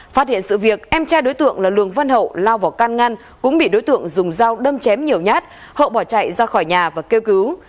phát hiện sự việc em trai đối tượng là lường văn hậu lao vào can ngăn cũng bị đối tượng dùng dao đâm chém nhiều nhát hậu bỏ chạy ra khỏi nhà và kêu cứu